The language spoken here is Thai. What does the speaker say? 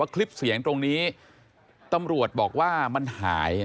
คลิปเสียงตรงนี้ตำรวจบอกว่ามันหาย